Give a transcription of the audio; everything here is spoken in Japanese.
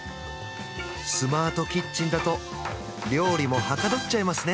スマートキッチンだと料理もはかどっちゃいますね